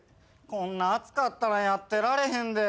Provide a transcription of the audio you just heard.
こんな暑かったらやってられへんで。